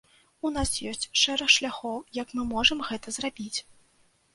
У нас ёсць шэраг шляхоў, як мы можам гэта зрабіць.